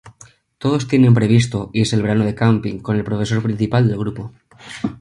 Todos tienen previsto irse el verano de camping con el profesor principal del grupo.